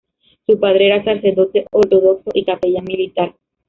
Su padre era sacerdote ortodoxo y capellán militar.